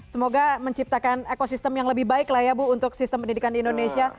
semoga menciptakan ekosistem yang lebih baik lah ya bu untuk sistem pendidikan di indonesia